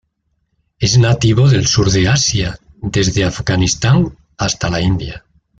Es nativo del sur de Asia desde Afganistán hasta la India.